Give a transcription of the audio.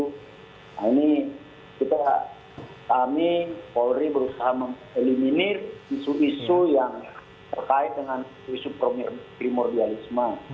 nah ini kita kami polri berusaha mengeliminir isu isu yang terkait dengan isu primordialisme